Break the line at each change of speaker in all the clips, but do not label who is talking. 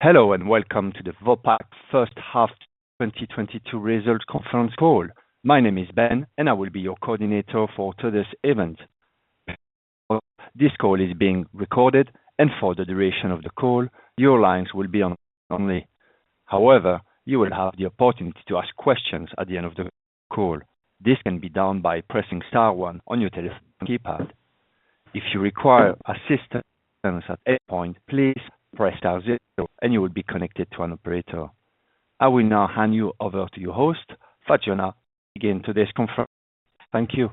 Hello, and welcome to the Vopak first half 2022 result conference call. My name is Ben, and I will be your coordinator for today's event. As you know, this call is being recorded, and for the duration of the call, your lines will be on listen only. However, you will have the opportunity to ask questions at the end of the call. This can be done by pressing star one on your telephone keypad. If you require assistance at any point, please press star zero and you will be connected to an operator. I will now hand you over to your host. Fatjona, begin today's conference. Thank you.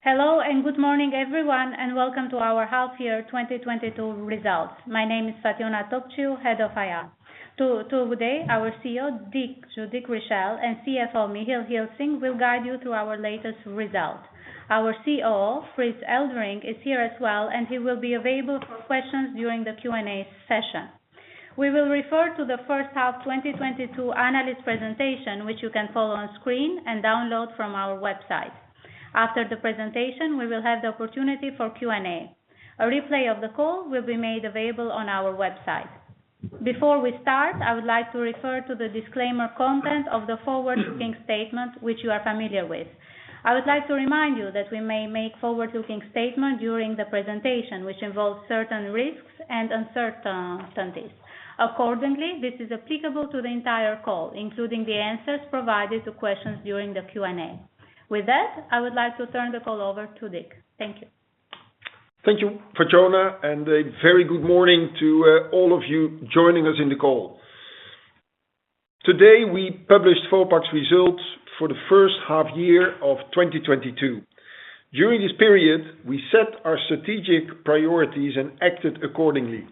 Hello, and good morning everyone, and welcome to our half year 2022 results. My name is Fatjona Topciu, Head of IR. Today our CEO, Dick Richelle and CFO, Michiel Gilsing will guide you through our latest result. Our COO, Frits Eulderink, is here as well, and he will be available for questions during the Q&A session. We will refer to the first half 2022 analyst presentation, which you can follow on screen and download from our website. After the presentation, we will have the opportunity for Q&A. A replay of the call will be made available on our website. Before we start, I would like to refer to the disclaimer content of the forward-looking statement which you are familiar with. I would like to remind you that we may make forward-looking statement during the presentation, which involves certain risks and uncertainties. Accordingly, this is applicable to the entire call, including the answers provided to questions during the Q&A. With that, I would like to turn the call over to Dick. Thank you.
Thank you, Fatjona, and a very good morning to all of you joining us in the call. Today, we published Vopak's results for the first half year of 2022. During this period, we set our strategic priorities and acted accordingly.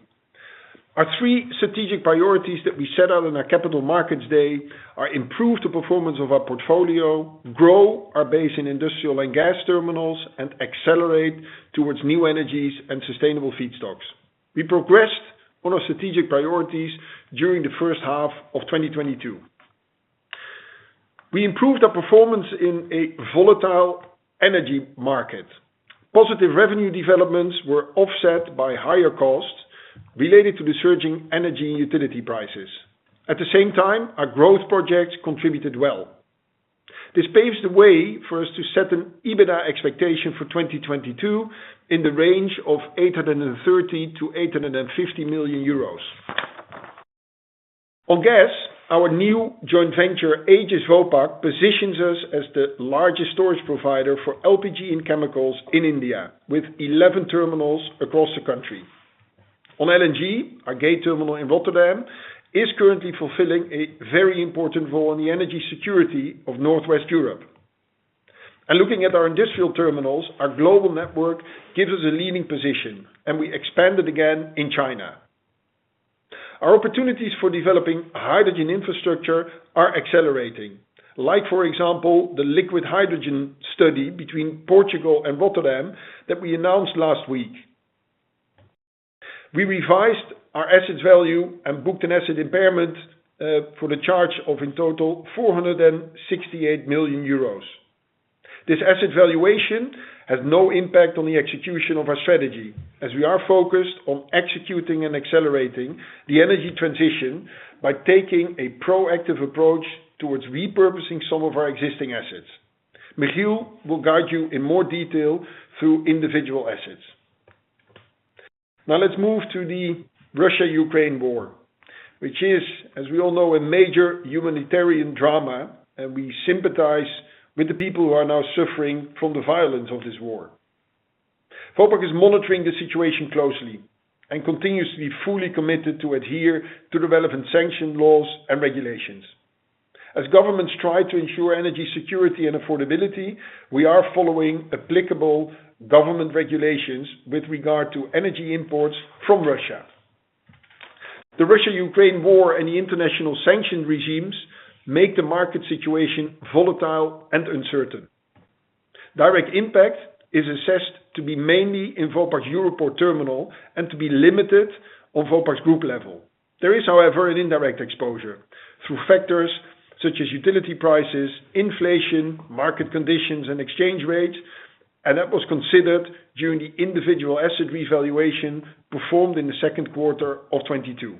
Our three strategic priorities that we set out on our capital markets day are improve the performance of our portfolio, grow our base in industrial and gas terminals, and accelerate towards new energies and sustainable feedstocks. We progressed on our strategic priorities during the first half of 2022. We improved our performance in a volatile energy market. Positive revenue developments were offset by higher costs related to the surging energy utility prices. At the same time, our growth projects contributed well. This paves the way for us to set an EBITDA expectation for 2022 in the range of 830 million-850 million euros. On gas, our new joint venture, Aegis Vopak, positions us as the largest storage provider for LPG and chemicals in India with 11 terminals across the country. On LNG, our Gate Terminal in Rotterdam is currently fulfilling a very important role in the energy security of Northwest Europe. Looking at our industrial terminals, our global network gives us a leading position, and we expanded again in China. Our opportunities for developing hydrogen infrastructure are accelerating, like for example, the liquid hydrogen study between Portugal and Rotterdam that we announced last week. We revised our assets value and booked an asset impairment for the charge of in total 468 million euros. This asset valuation has no impact on the execution of our strategy, as we are focused on executing and accelerating the energy transition by taking a proactive approach towards repurposing some of our existing assets. Michiel will guide you in more detail through individual assets. Now, let's move to the Russia-Ukraine war, which is, as we all know, a major humanitarian drama, and we sympathize with the people who are now suffering from the violence of this war. Vopak is monitoring the situation closely and continues to be fully committed to adhere to the relevant sanction laws and regulations. As governments try to ensure energy security and affordability, we are following applicable government regulations with regard to energy imports from Russia. The Russia-Ukraine war and the international sanction regimes make the market situation volatile and uncertain. Direct impact is assessed to be mainly in Vopak's Europoort terminal and to be limited on Vopak's group level. There is, however, an indirect exposure through factors such as utility prices, inflation, market conditions, and exchange rates, and that was considered during the individual asset revaluation performed in the second quarter of 2022.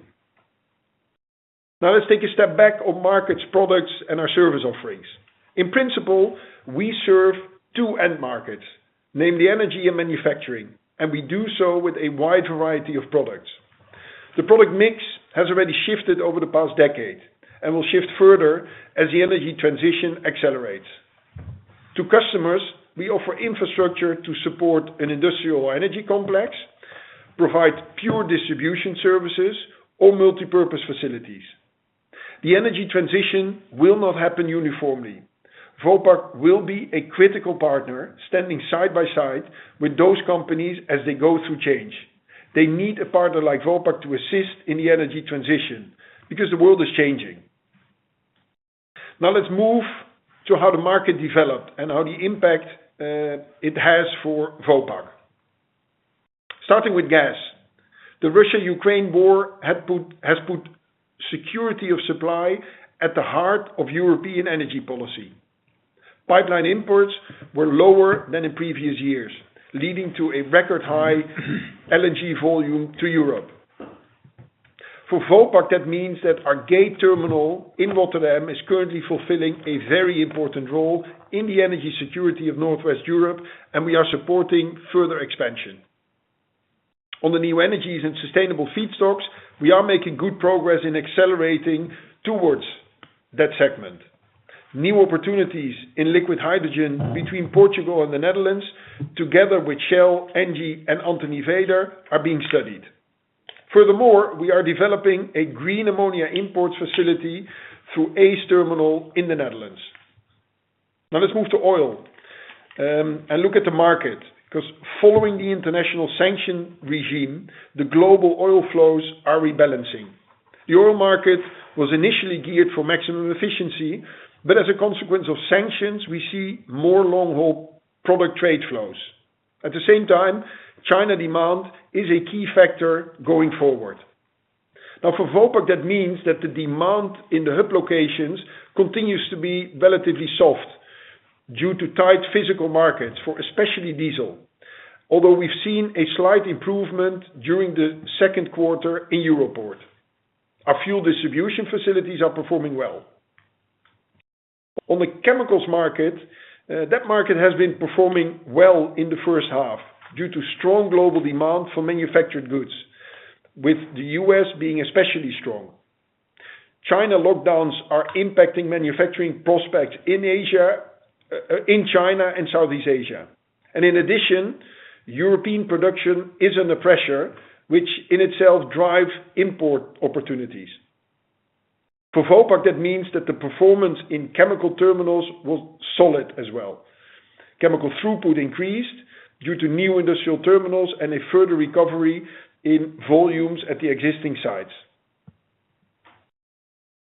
Now, let's take a step back on markets, products, and our service offerings. In principle, we serve two end markets, namely energy and manufacturing, and we do so with a wide variety of products. The product mix has already shifted over the past decade and will shift further as the energy transition accelerates. To customers, we offer infrastructure to support an industrial energy complex, provide pure distribution services or multipurpose facilities. The energy transition will not happen uniformly. Vopak will be a critical partner standing side by side with those companies as they go through change. They need a partner like Vopak to assist in the energy transition because the world is changing. Now, let's move to how the market developed and how the impact it has for Vopak. Starting with gas, the Russia-Ukraine war has put security of supply at the heart of European energy policy. Pipeline imports were lower than in previous years, leading to a record high LNG volume to Europe. For Vopak, that means that our Gate terminal in Rotterdam is currently fulfilling a very important role in the energy security of Northwest Europe, and we are supporting further expansion. On the new energies and sustainable feedstocks, we are making good progress in accelerating towards that segment. New opportunities in liquid hydrogen between Portugal and the Netherlands, together with Shell, ENGIE, and Anthony Veder are being studied. Furthermore, we are developing a green ammonia import facility through ACE Terminal in the Netherlands. Now, let's move to oil and look at the market, 'cause following the international sanction regime, the global oil flows are rebalancing. The oil market was initially geared for maximum efficiency, but as a consequence of sanctions, we see more long-haul product trade flows. At the same time, China demand is a key factor going forward. Now for Vopak, that means that the demand in the hub locations continues to be relatively soft due to tight physical markets for especially diesel. Although we've seen a slight improvement during the second quarter in European ports. Our fuel distribution facilities are performing well. On the chemicals market, that market has been performing well in the first half due to strong global demand for manufactured goods, with the U.S. being especially strong. China lockdowns are impacting manufacturing prospects in Asia, in China and Southeast Asia. In addition, European production is under pressure, which in itself drives import opportunities. For Vopak, that means that the performance in chemical terminals was solid as well. Chemical throughput increased due to new industrial terminals and a further recovery in volumes at the existing sites.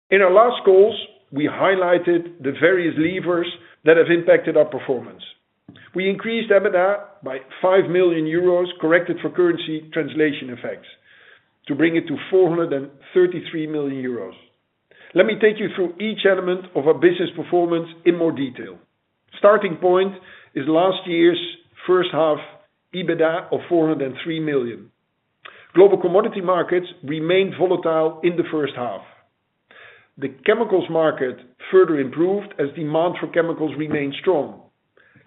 In our last calls, we highlighted the various levers that have impacted our performance. We increased EBITDA by 5 million euros, corrected for currency translation effects, to bring it to 433 million euros. Let me take you through each element of our business performance in more detail. Starting point is last year's first half EBITDA of 403 million. Global commodity markets remained volatile in the first half. The chemicals market further improved as demand for chemicals remained strong.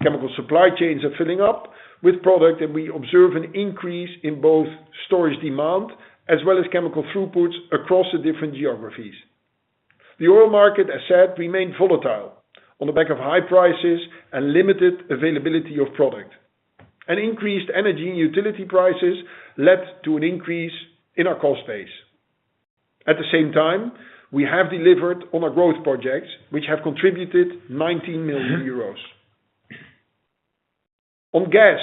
Chemical supply chains are filling up with product, and we observe an increase in both storage demand as well as chemical throughputs across the different geographies. The oil market, as said, remained volatile on the back of high prices and limited availability of product. Increased energy and utility prices led to an increase in our cost base. At the same time, we have delivered on our growth projects, which have contributed 19 million euros. On gas,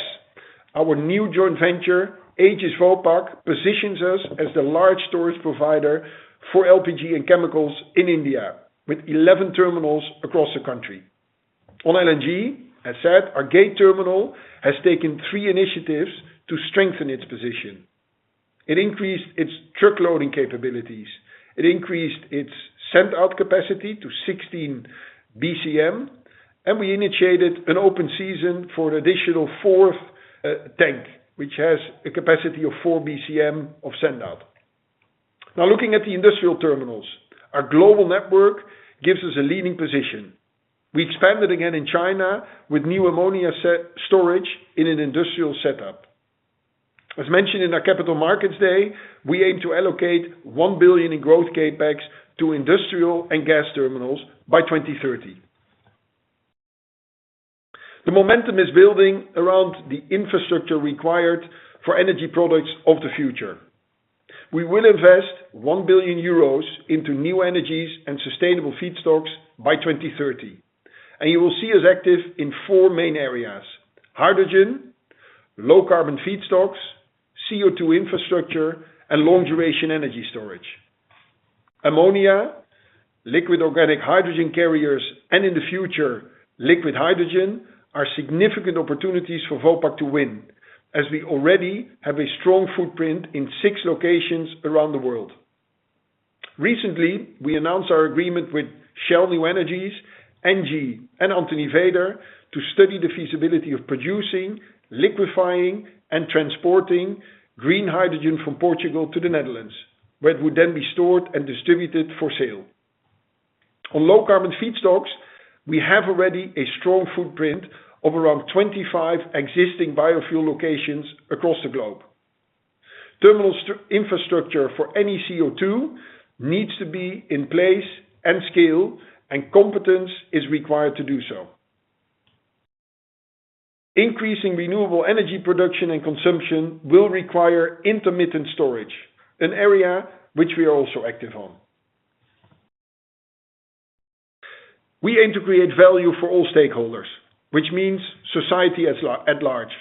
our new joint venture, Aegis Vopak, positions us as the large storage provider for LPG and chemicals in India with 11 terminals across the country. On LNG, as said, our Gate terminal has taken three initiatives to strengthen its position. It increased its truck loading capabilities, it increased its send-out capacity to 16 BCM, and we initiated an open season for an additional fourth tank, which has a capacity of 4 BCM of send-out. Now looking at the industrial terminals, our global network gives us a leading position. We expanded again in China with new ammonia storage in an industrial setup. As mentioned in our Capital Markets Day, we aim to allocate 1 billion in growth CapEx to industrial and gas terminals by 2030. The momentum is building around the infrastructure required for energy products of the future. We will invest 1 billion euros into new energies and sustainable feedstocks by 2030. You will see us active in four main areas, hydrogen, low carbon feedstocks, CO2 infrastructure, and long-duration energy storage. Ammonia, liquid organic hydrogen carriers, and in the future, liquid hydrogen, are significant opportunities for Vopak to win, as we already have a strong footprint in six locations around the world. Recently, we announced our agreement with Shell New Energies, Gasunie, and Anthony Veder to study the feasibility of producing, liquefying, and transporting green hydrogen from Portugal to the Netherlands, where it would then be stored and distributed for sale. On low carbon feedstocks, we have already a strong footprint of around 25 existing biofuel locations across the globe. Terminal infrastructure for any CO2 needs to be in place and scale, and competence is required to do so. Increasing renewable energy production and consumption will require intermittent storage, an area which we are also active on. We aim to create value for all stakeholders, which means society at large.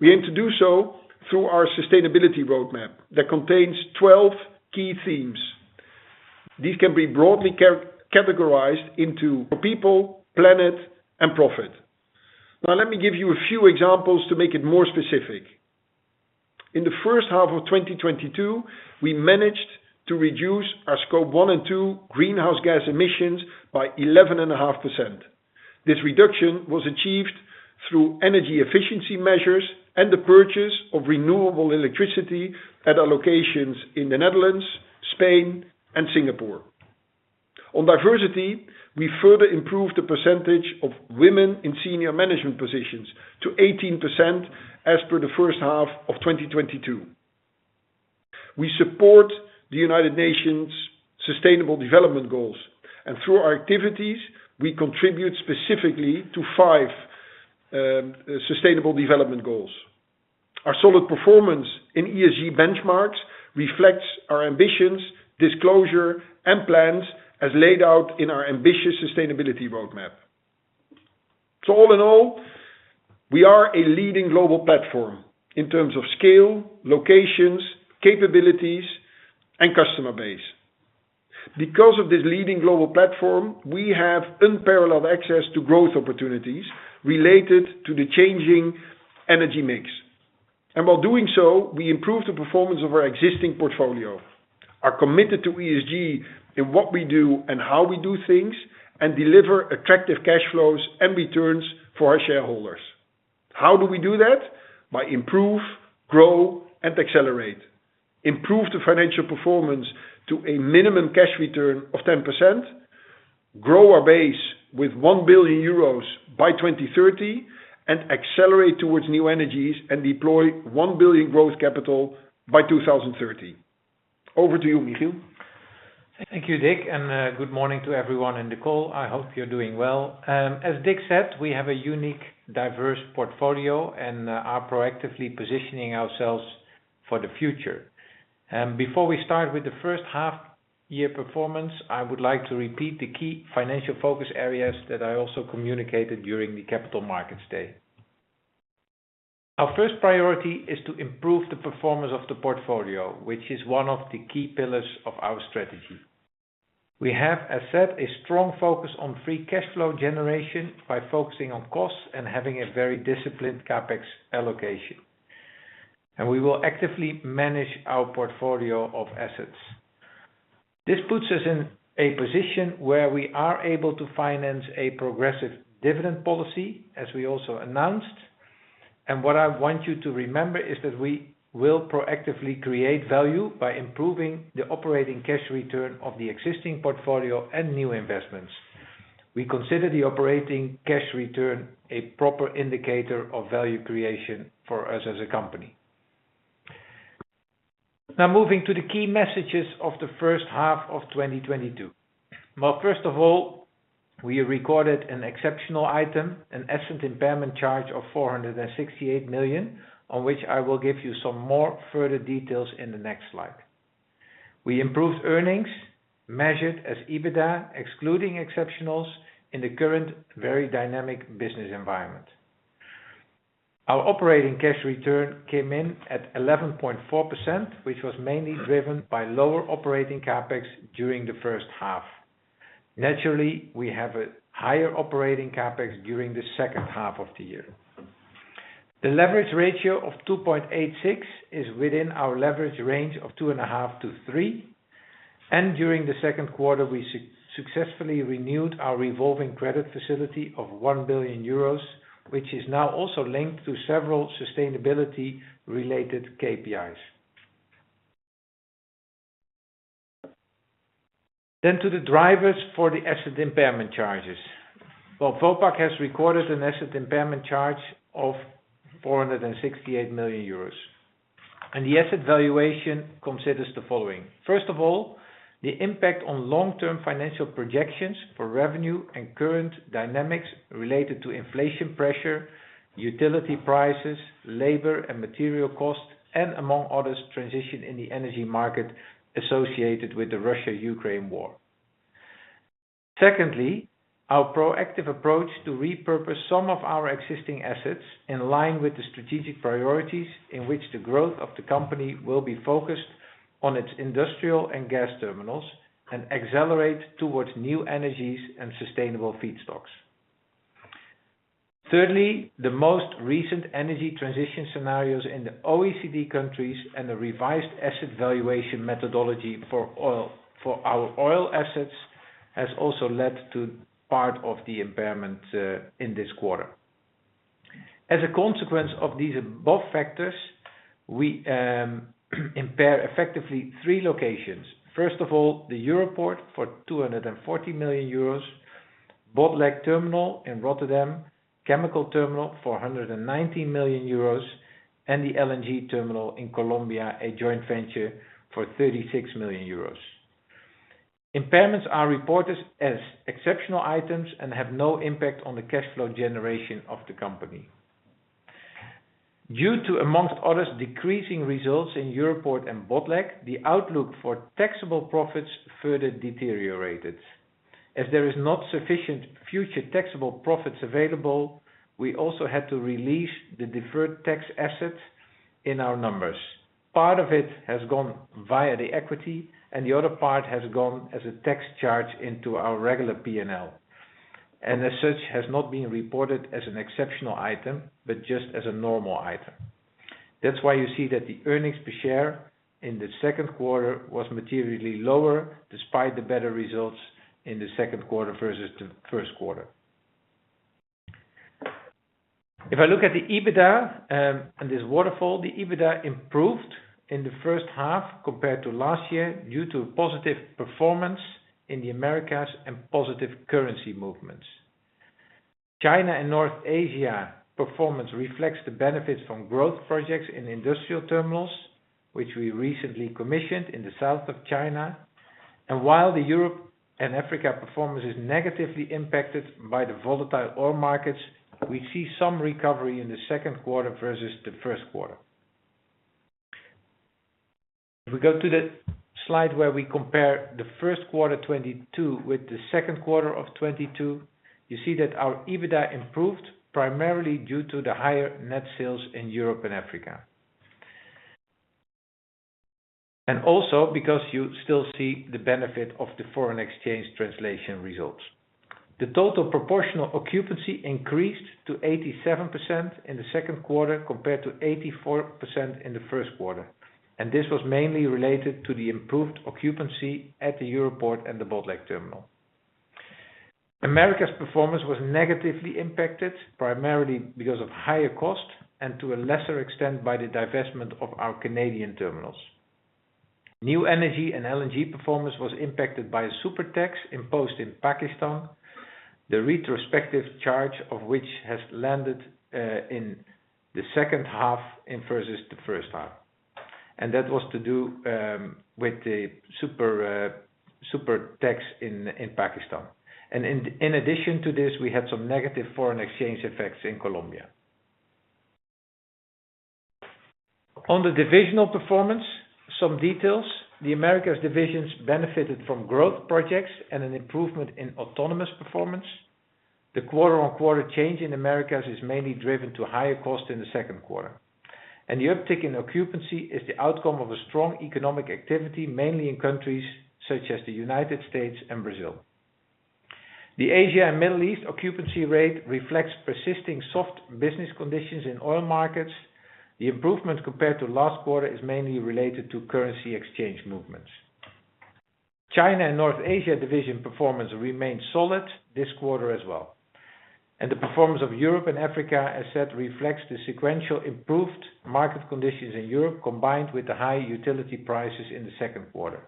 We aim to do so through our sustainability roadmap that contains 12 key themes. These can be broadly categorized into people, planet, and profit. Now let me give you a few examples to make it more specific. In the first half of 2022, we managed to reduce our scope one and two greenhouse gas emissions by 11.5%. This reduction was achieved through energy efficiency measures and the purchase of renewable electricity at our locations in the Netherlands, Spain and Singapore. On diversity, we further improved the percentage of women in senior management positions to 18% as per the first half of 2022. We support the United Nations Sustainable Development Goals, and through our activities we contribute specifically to five sustainable development goals. Our solid performance in ESG benchmarks reflects our ambitions, disclosure, and plans as laid out in our ambitious sustainability roadmap. All in all, we are a leading global platform in terms of scale, locations, capabilities, and customer base. Because of this leading global platform, we have unparalleled access to growth opportunities related to the changing energy mix. While doing so, we improve the performance of our existing portfolio, are committed to ESG in what we do and how we do things, and deliver attractive cash flows and returns for our shareholders. How do we do that? By improve, grow and accelerate. Improve the financial performance to a minimum cash return of 10%, grow our base with 1 billion euros by 2030, and accelerate towards new energies and deploy 1 billion growth capital by 2030. Over to you, Michiel.
Thank you, Dick, and good morning to everyone in the call. I hope you're doing well. As Dick said, we have a unique, diverse portfolio and are proactively positioning ourselves for the future. Before we start with the first half year performance, I would like to repeat the key financial focus areas that I also communicated during the Capital Markets Day. Our first priority is to improve the performance of the portfolio, which is one of the key pillars of our strategy. We have, as said, a strong focus on free cash flow generation by focusing on costs and having a very disciplined CapEx allocation. We will actively manage our portfolio of assets. This puts us in a position where we are able to finance a progressive dividend policy, as we also announced. What I want you to remember is that we will proactively create value by improving the operating cash return of the existing portfolio and new investments. We consider the operating cash return a proper indicator of value creation for us as a company. Now, moving to the key messages of the first half of 2022. Well, first of all, we recorded an exceptional item, an asset impairment charge of 468 million, on which I will give you some more further details in the next slide. We improved earnings measured as EBITDA, excluding exceptionals in the current very dynamic business environment. Our operating cash return came in at 11.4%, which was mainly driven by lower operating CapEx during the first half. Naturally, we have a higher operating CapEx during the second half of the year. The leverage ratio of 2.86 is within our leverage range of 2.5-3. During the second quarter, we successfully renewed our revolving credit facility of 1 billion euros, which is now also linked to several sustainability related KPIs. To the drivers for the asset impairment charges. Well, Vopak has recorded an asset impairment charge of 468 million euros, and the asset valuation considers the following. First of all, the impact on long-term financial projections for revenue and current dynamics related to inflation pressure, utility prices, labor and material costs, and among others, transition in the energy market associated with the Russia-Ukraine war. Secondly, our proactive approach to repurpose some of our existing assets in line with the strategic priorities in which the growth of the company will be focused on its industrial and gas terminals and accelerate towards new energies and sustainable feedstocks. Thirdly, the most recent energy transition scenarios in the OECD countries and the revised asset valuation methodology for our oil assets has also led to part of the impairment in this quarter. As a consequence of these above factors, we impair effectively three locations. First of all, the Europoort for 240 million euros, Botlek Terminal in Rotterdam, chemical terminal for 190 million euros, and the LNG terminal in Colombia, a joint venture for 36 million euros. Impairments are reported as exceptional items and have no impact on the cash flow generation of the company. Due to, among others, decreasing results in Europoort and Botlek, the outlook for taxable profits further deteriorated. As there is not sufficient future taxable profits available, we also had to release the deferred tax assets in our numbers. Part of it has gone via the equity and the other part has gone as a tax charge into our regular PNL. As such has not been reported as an exceptional item, but just as a normal item. That's why you see that the earnings per share in the second quarter was materially lower despite the better results in the second quarter versus the first quarter. If I look at the EBITDA in this waterfall, the EBITDA improved in the first half compared to last year due to positive performance in the Americas and positive currency movements. China and North Asia performance reflects the benefits from growth projects in industrial terminals, which we recently commissioned in the south of China. While the Europe and Africa performance is negatively impacted by the volatile oil markets, we see some recovery in the second quarter versus the first quarter. If we go to the slide where we compare the first quarter 2022 with the second quarter of 2022, you see that our EBITDA improved primarily due to the higher net sales in Europe and Africa. Also because you still see the benefit of the foreign exchange translation results. The total proportional occupancy increased to 87% in the second quarter, compared to 84% in the first quarter. This was mainly related to the improved occupancy at the Europoort and the Botlek terminal. America's performance was negatively impacted primarily because of higher costs and to a lesser extent by the divestment of our Canadian terminals. New energy and LNG performance was impacted by a super tax imposed in Pakistan, the retrospective charge of which has landed in the second half and versus the first half. That was to do with the super tax in Pakistan. In addition to this, we had some negative foreign exchange effects in Colombia. On the divisional performance, some details. The Americas divisions benefited from growth projects and an improvement in autonomous performance. The quarter-on-quarter change in Americas is mainly driven by higher costs in the second quarter. The uptick in occupancy is the outcome of a strong economic activity, mainly in countries such as the United States and Brazil. The Asia and Middle East occupancy rate reflects persisting soft business conditions in oil markets. The improvement compared to last quarter is mainly related to currency exchange movements. China and North Asia division performance remained solid this quarter as well. The performance of Europe and Africa, as said, reflects the sequential improved market conditions in Europe, combined with the high utility prices in the second quarter.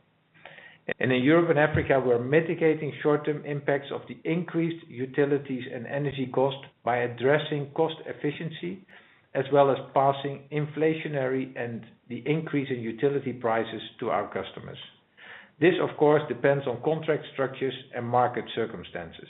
In Europe and Africa, we're mitigating short-term impacts of the increased utilities and energy costs by addressing cost efficiency, as well as passing inflationary and the increase in utility prices to our customers. This, of course, depends on contract structures and market circumstances.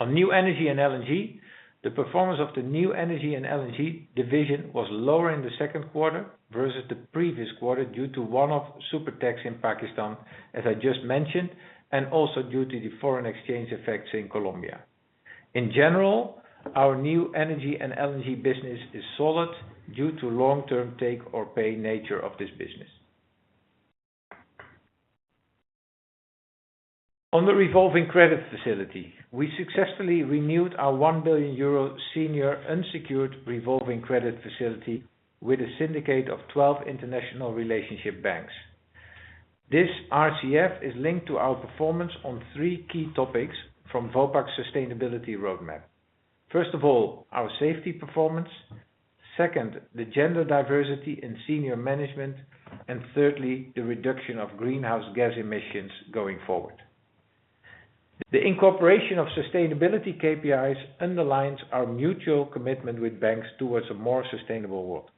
On new energy and LNG, the performance of the new energy and LNG division was lower in the second quarter versus the previous quarter due to one-off super tax in Pakistan, as I just mentioned, and also due to the foreign exchange effects in Colombia. In general, our new energy and LNG business is solid due to long-term take-or-pay nature of this business. On the revolving credit facility, we successfully renewed our 1 billion euro senior unsecured revolving credit facility with a syndicate of 12 international relationship banks. This RCF is linked to our performance on three key topics from Vopak's sustainability roadmap. First of all, our safety performance. Second, the gender diversity in senior management. Thirdly, the reduction of greenhouse gas emissions going forward. The incorporation of sustainability KPIs underlines our mutual commitment with banks towards a more sustainable world.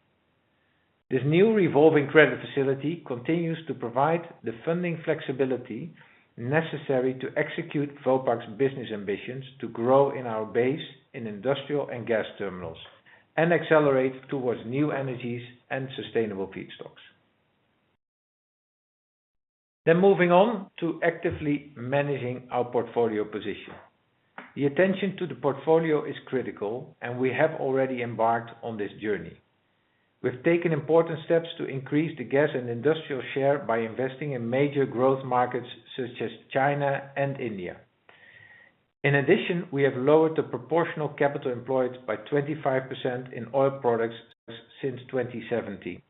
This new revolving credit facility continues to provide the funding flexibility necessary to execute Vopak's business ambitions to grow in our base in industrial and gas terminals and accelerate towards new energies and sustainable feedstocks. Moving on to actively managing our portfolio position. The attention to the portfolio is critical, and we have already embarked on this journey. We've taken important steps to increase the gas and industrial share by investing in major growth markets such as China and India. In addition, we have lowered the proportional capital employed by 25% in oil products since 2017.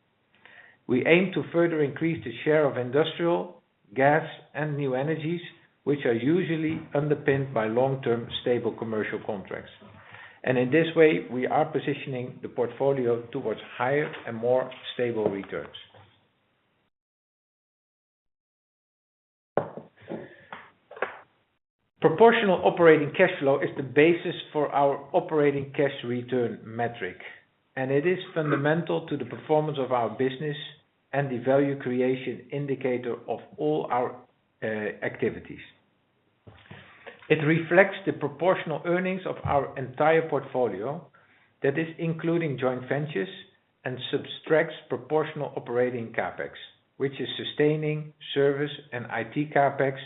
We aim to further increase the share of industrial, gas, and new energies, which are usually underpinned by long-term stable commercial contracts. In this way, we are positioning the portfolio towards higher and more stable returns. Proportional operating cash flow is the basis for our operating cash return metric, and it is fundamental to the performance of our business and the value creation indicator of all our activities. It reflects the proportional earnings of our entire portfolio that is including joint ventures and subtracts proportional operating CapEx, which is sustaining service and IT CapEx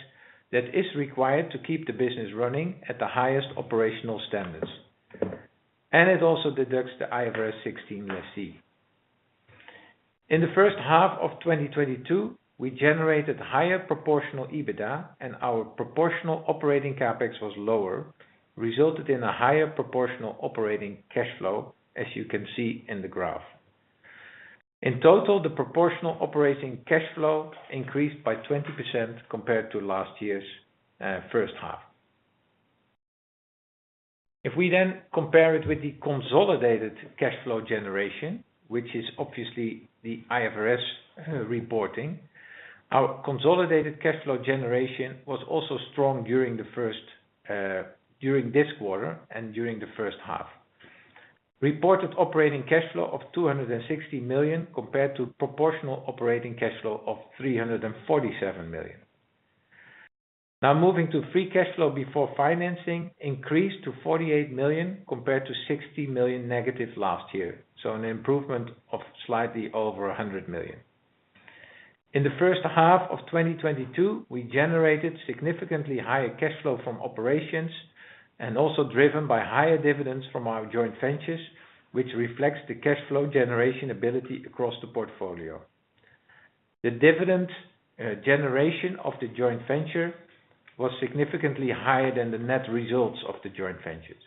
that is required to keep the business running at the highest operational standards. It also deducts the IFRS 16 lease. In the first half of 2022, we generated higher proportional EBITDA and our proportional operating CapEx was lower, resulted in a higher proportional operating cash flow, as you can see in the graph. In total, the proportional operating cash flow increased by 20% compared to last year's first half. If we then compare it with the consolidated cash flow generation, which is obviously the IFRS reporting, our consolidated cash flow generation was also strong during the first, during this quarter and during the first half. Reported operating cash flow of 260 million compared to proportional operating cash flow of 347 million. Now moving to free cash flow before financing increased to 48 million compared to -60 million last year, so an improvement of slightly over 100 million. In the first half of 2022, we generated significantly higher cash flow from operations and also driven by higher dividends from our joint ventures, which reflects the cash flow generation ability across the portfolio. The dividend, generation of the joint venture was significantly higher than the net results of the joint ventures.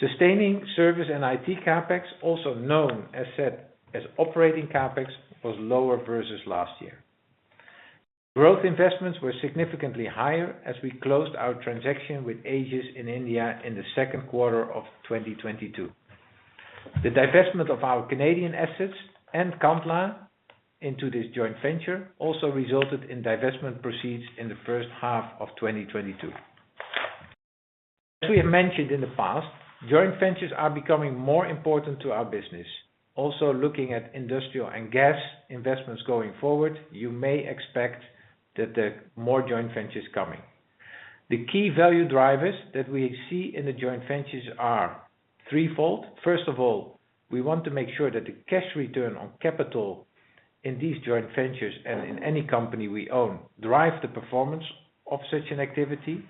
Sustaining service and IT CapEx, also known as said, as operating CapEx, was lower versus last year. Growth investments were significantly higher as we closed our transaction with Aegis in India in the second quarter of 2022. The divestment of our Canadian assets and Qamla into this joint venture also resulted in divestment proceeds in the first half of 2022. As we have mentioned in the past, joint ventures are becoming more important to our business. Also looking at industrial and gas investments going forward, you may expect that there are more joint ventures coming. The key value drivers that we see in the joint ventures are threefold. First of all, we want to make sure that the cash return on capital in these joint ventures and in any company we own drive the performance of such an activity.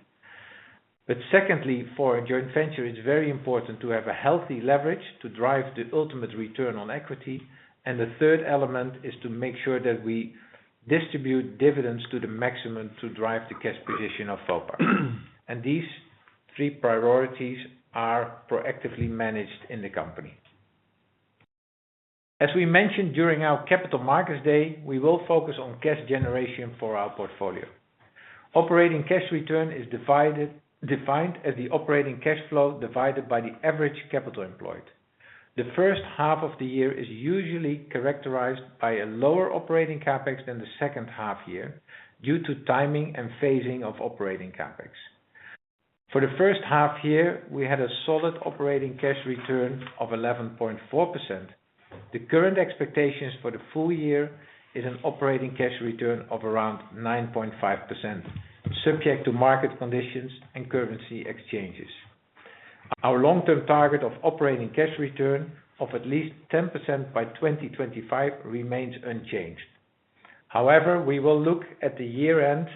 Secondly, for a joint venture, it's very important to have a healthy leverage to drive the ultimate return on equity. The third element is to make sure that we distribute dividends to the maximum to drive the cash position of Vopak. These three priorities are proactively managed in the company. As we mentioned during our Capital Markets Day, we will focus on cash generation for our portfolio. Operating cash return is defined as the operating cash flow divided by the average capital employed. The first half of the year is usually characterized by a lower operating CapEx than the second half year due to timing and phasing of operating CapEx. For the first half year, we had a solid operating cash return of 11.4%. The current expectations for the full year is an operating cash return of around 9.5%, subject to market conditions and currency exchanges. Our long-term target of operating cash return of at least 10% by 2025 remains unchanged. However, we will look at the year-end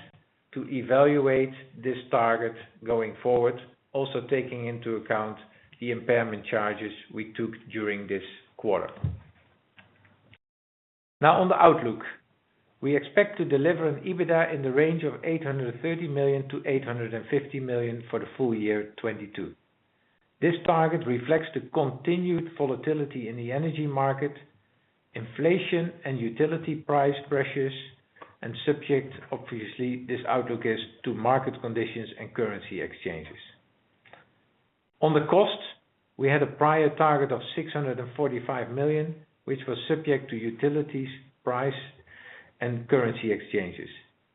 to evaluate this target going forward, also taking into account the impairment charges we took during this quarter. Now on the outlook. We expect to deliver an EBITDA in the range of 830 million-850 million for the full year 2022. This target reflects the continued volatility in the energy market, inflation and utility price pressures, and subject, obviously, this outlook is to market conditions and currency exchanges. On the costs, we had a prior target of 645 million, which was subject to utility prices and currency exchanges.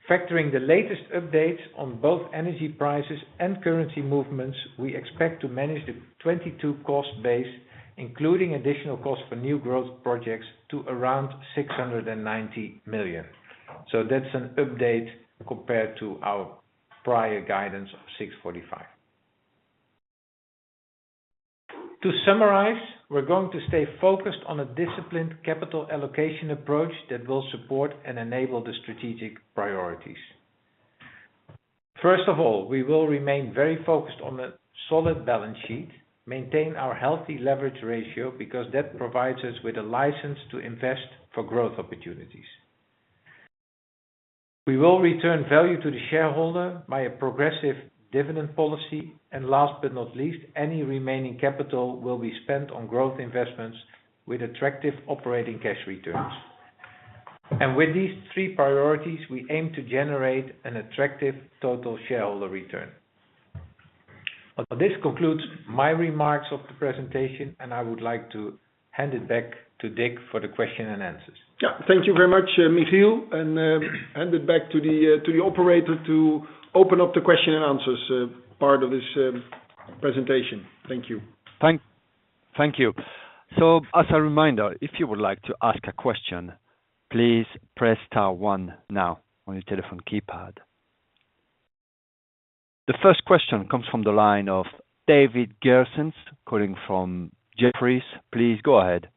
Factoring the latest updates on both energy prices and currency movements, we expect to manage the 2022 cost base, including additional costs for new growth projects, to around 690 million. That's an update compared to our prior guidance of 645. To summarize, we're going to stay focused on a disciplined capital allocation approach that will support and enable the strategic priorities. First of all, we will remain very focused on a solid balance sheet, maintain our healthy leverage ratio because that provides us with a license to invest for growth opportunities. We will return value to the shareholder by a progressive dividend policy. Last but not least, any remaining capital will be spent on growth investments with attractive operating cash returns. With these three priorities, we aim to generate an attractive total shareholder return. This concludes my remarks of the presentation, and I would like to hand it back to Dick for the question and answers.
Yeah. Thank you very much, Michiel, and hand it back to the operator to open up the question and answers part of this presentation. Thank you.
Thank you. As a reminder, if you would like to ask a question, please press star one now on your telephone keypad. The first question comes from the line of David Kerstens, calling from Jefferies. Please go ahead.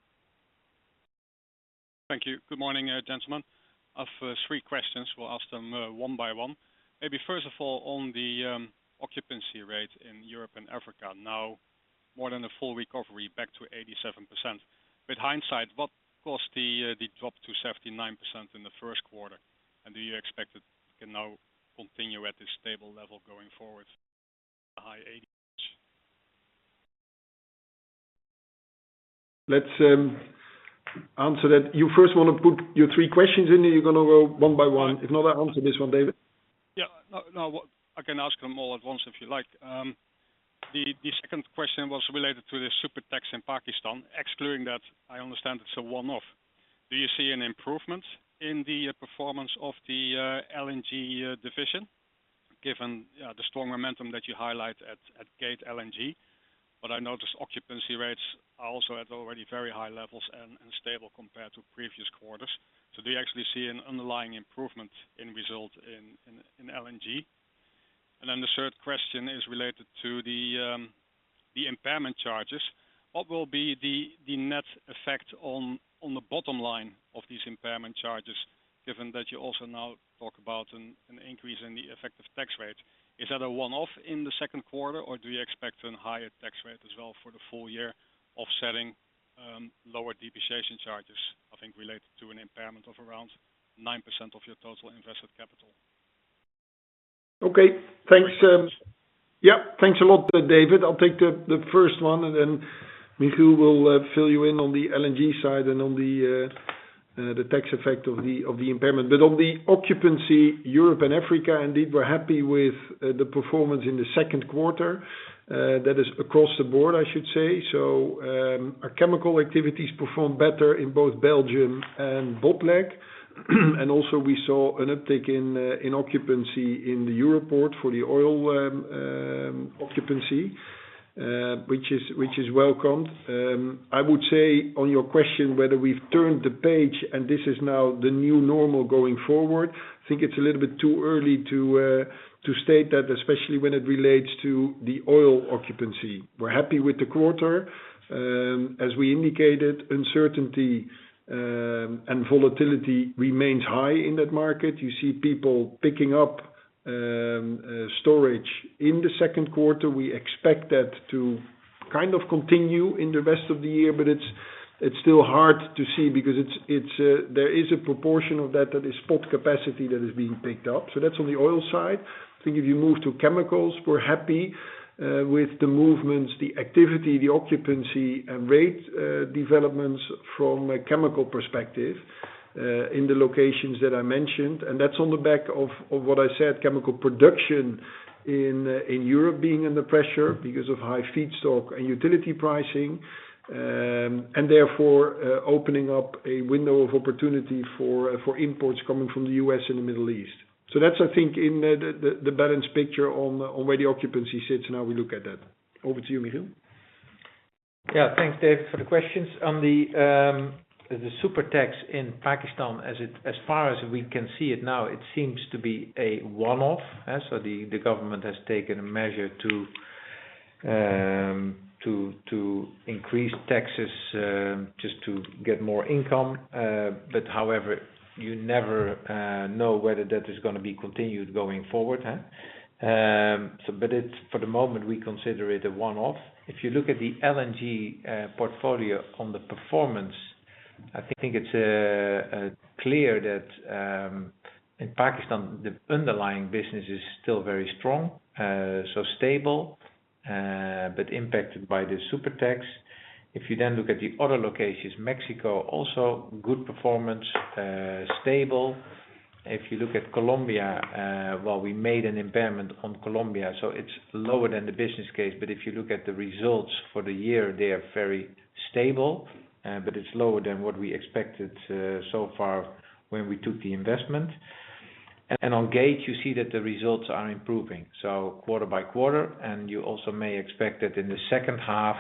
Thank you. Good morning, gentlemen. I've three questions. We'll ask them one by one. Maybe first of all, on the occupancy rate in Europe and Africa now more than a full recovery back to 87%. With hindsight, what was the drop to 79% in the first quarter, and do you expect it can now continue at a stable level going forward, the high 80s?
Let's answer that. You first wanna put your three questions in, or you're gonna go one by one? If not, I'll answer this one, David.
Yeah. No, no. I can ask them all at once if you like. The second question was related to the super tax in Pakistan. Excluding that, I understand it's a one-off. Do you see an improvement in the performance of the LNG division, given the strong momentum that you highlight at Gate terminal? I notice occupancy rates are also at already very high levels and stable compared to previous quarters. Do you actually see an underlying improvement in results in LNG? The third question is related to the impairment charges. What will be the net effect on the bottom line of these impairment charges, given that you also now talk about an increase in the effective tax rate? Is that a one-off in the second quarter, or do you expect a higher tax rate as well for the full year offsetting lower depreciation charges, I think related to an impairment of around 9% of your total invested capital?
Okay, thanks. Yeah, thanks a lot, David. I'll take the first one, and then Michiel will fill you in on the LNG side and on the tax effect of the impairment. On the occupancy, Europe and Africa, indeed, we're happy with the performance in the second quarter. That is across the board, I should say. Our chemical activities performed better in both Belgium and Botlek. We also saw an uptick in occupancy in the Europoort for the oil occupancy, which is welcomed. I would say on your question whether we've turned the page and this is now the new normal going forward, I think it's a little bit too early to state that, especially when it relates to the oil occupancy. We're happy with the quarter. As we indicated, uncertainty and volatility remains high in that market. You see people picking up storage in the second quarter. We expect that to kind of continue in the rest of the year, but there is a proportion of that that is spot capacity that is being picked up. So that's on the oil side. I think if you move to chemicals, we're happy with the movements, the activity, the occupancy and rate developments from a chemical perspective in the locations that I mentioned. That's on the back of what I said, chemical production in Europe being under pressure because of high feedstock and utility pricing. opening up a window of opportunity for imports coming from the U.S. and the Middle East. That's, I think, in the balanced picture on where the occupancy sits and how we look at that. Over to you, Michiel.
Yeah. Thanks, David, for the questions. On the super tax in Pakistan, as far as we can see it now, it seems to be a one-off. The government has taken a measure to increase taxes just to get more income. But however, you never know whether that is gonna be continued going forward, huh? It's for the moment, we consider it a one-off. If you look at the LNG portfolio on the performance, I think it's clear that in Pakistan, the underlying business is still very strong, so stable, but impacted by the super tax. If you then look at the other locations, Mexico, also good performance, stable. If you look at Colombia, well, we made an impairment on Colombia, so it's lower than the business case. If you look at the results for the year, they are very stable, but it's lower than what we expected so far when we took the investment. On Gate, you see that the results are improving, so quarter by quarter, and you also may expect that in the second half,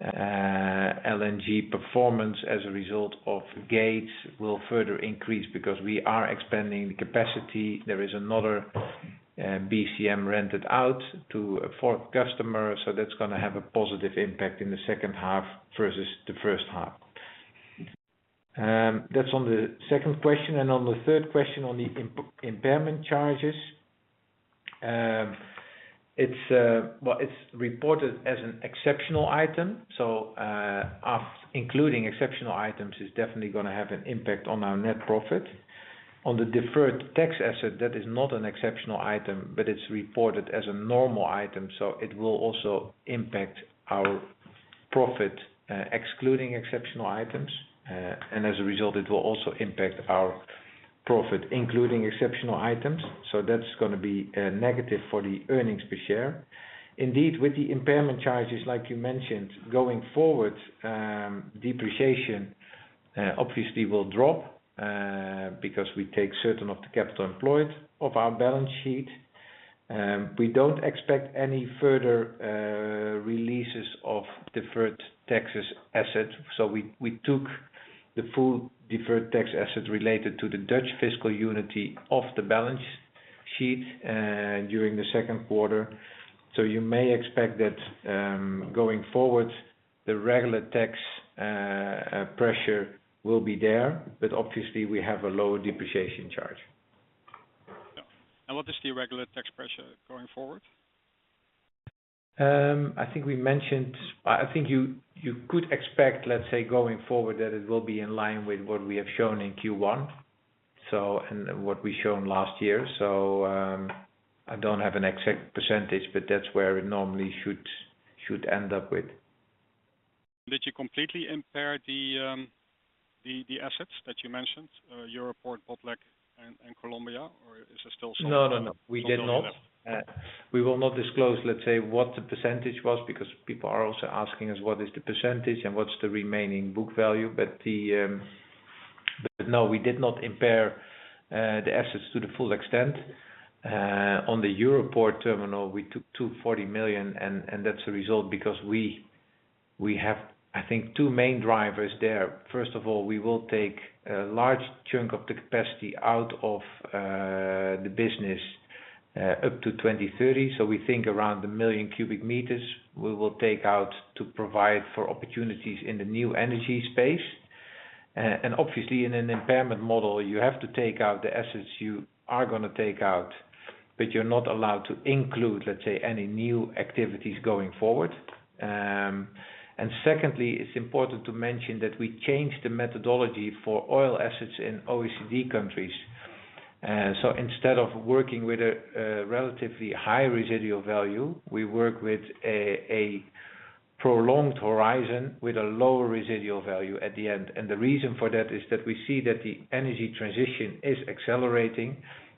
LNG performance as a result of Gate will further increase because we are expanding the capacity. There is another BCM rented out to a fourth customer, so that's gonna have a positive impact in the second half versus the first half. That's on the second question. On the third question on the impairment charges, it's well, it's reported as an exceptional item. So, EBITDA including exceptional items is definitely gonna have an impact on our net profit. On the deferred tax asset, that is not an exceptional item, but it's reported as a normal item, so it will also impact our profit, excluding exceptional items. As a result, it will also impact our profit, including exceptional items. That's gonna be negative for the earnings per share. Indeed, with the impairment charges, like you mentioned, going forward, depreciation obviously will drop, because we take certain of the capital employed off our balance sheet. We don't expect any further releases of deferred tax asset. We took the full deferred tax asset related to the Dutch fiscal unity off the balance sheet during the second quarter. You may expect that, going forward, the regular tax pressure will be there, but obviously we have a lower depreciation charge.
What is the regular tax pressure going forward?
I think we mentioned. I think you could expect, let's say, going forward, that it will be in line with what we have shown in Q1, so, and what we've shown last year. I don't have an exact percentage, but that's where it normally should end up with.
Did you completely impair the assets that you mentioned, Europoort, Botlek, and Colombia? Or is there still some
No. We did not. We will not disclose, let's say, what the percentage was because people are also asking us what is the percentage and what's the remaining book value. No, we did not impair the assets to the full extent. On the Europoort terminal, we took 240 million and that's the result because we have, I think, two main drivers there. First of all, we will take a large chunk of the capacity out of the business up to 2030. We think around 1 million cubic meters we will take out to provide for opportunities in the new energy space. Obviously in an impairment model, you have to take out the assets you are gonna take out, but you're not allowed to include, let's say, any new activities going forward. Secondly, it's important to mention that we changed the methodology for oil assets in OECD countries. Instead of working with a relatively high residual value, we work with a prolonged horizon with a lower residual value at the end. The reason for that is that we see that the energy transition is accelerating,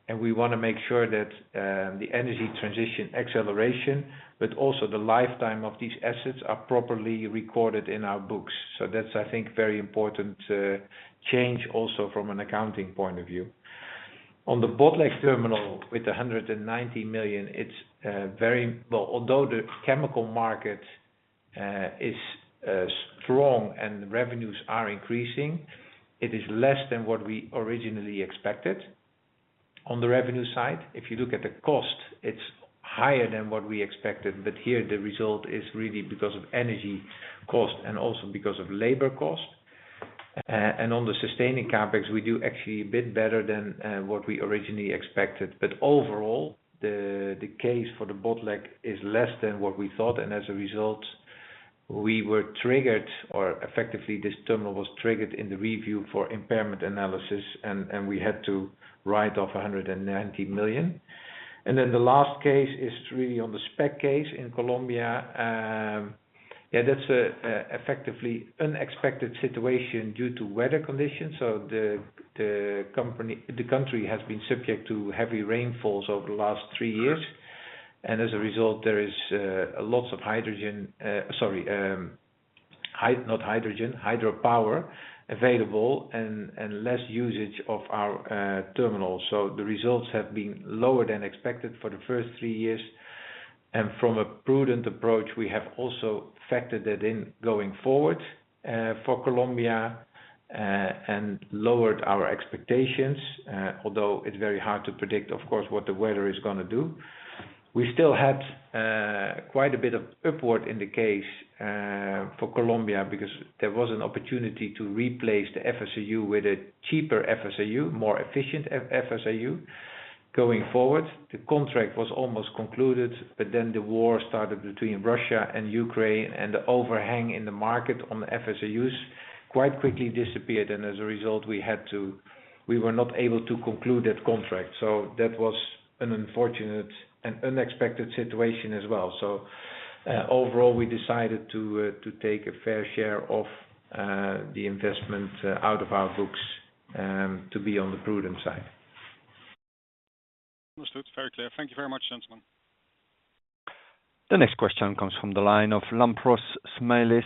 and we wanna make sure that the energy transition acceleration, but also the lifetime of these assets are properly recorded in our books. That's, I think, very important change also from an accounting point of view. On the Botlek terminal with 190 million, it's very well, although the chemical market is strong and revenues are increasing, it is less than what we originally expected on the revenue side. If you look at the cost, it's higher than what we expected, but here the result is really because of energy cost and also because of labor cost. On the sustaining CapEx, we do actually a bit better than what we originally expected. Overall, the case for the Botlek is less than what we thought, and as a result, we were triggered, or effectively this terminal was triggered in the review for impairment analysis and we had to write off 190 million. Then the last case is really on the SPEC case in Colombia. That's an effectively unexpected situation due to weather conditions. The country has been subject to heavy rainfalls over the last three years. As a result, there is lots of hydropower available and less usage of our terminal. The results have been lower than expected for the first three years. From a prudent approach, we have also factored that in going forward for Colombia and lowered our expectations, although it's very hard to predict, of course, what the weather is gonna do. We still had quite a bit of upside in the case for Colombia because there was an opportunity to replace the FSU with a cheaper FSU, more efficient FSU going forward. The contract was almost concluded, but then the war started between Russia and Ukraine, and the overhang in the market on the FSUs quite quickly disappeared, and as a result, we were not able to conclude that contract. That was an unfortunate and unexpected situation as well. Overall, we decided to take a fair share of the investment out of our books, to be on the prudent side.
Understood. Very clear. Thank you very much, gentlemen.
The next question comes from the line of Lampros Smailis,